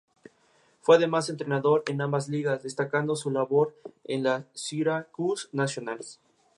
Ordenó la primera expulsión de los jesuitas de la provincia.